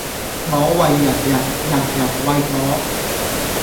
我為人人，人人為我